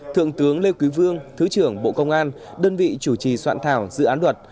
thượng tướng lê quý vương thứ trưởng bộ công an đơn vị chủ trì soạn thảo dự án luật